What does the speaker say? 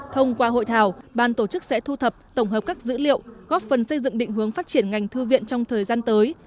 thông qua hội thảo ban tổ chức sẽ thu thập tổng hợp các dữ liệu góp phần xây dựng định hướng phát triển ngành thư viện trong thời gian tới